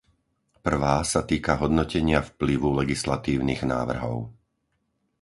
Prvá sa týka hodnotenia vplyvu legislatívnych návrhov.